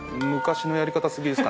昔のやり方過ぎ